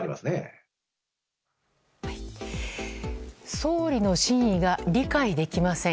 総理の真意が理解できません。